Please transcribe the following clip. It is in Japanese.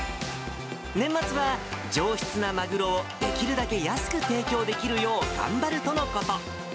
年末は上質なマグロを、できるだけ安く提供できるよう頑張るとのこと。